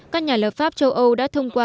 các nhà lập pháp châu âu đã thông qua